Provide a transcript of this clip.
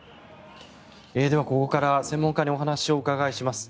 では、ここから専門家にお話をお伺いします。